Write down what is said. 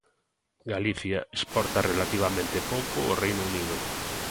Galicia exporta relativamente pouco ao Reino Unido.